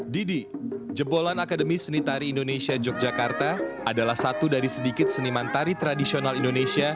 didi jebolan akademis seni tari indonesia yogyakarta adalah satu dari sedikit seniman tari tradisional indonesia